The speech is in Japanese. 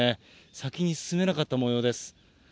先に進めなかったもようです。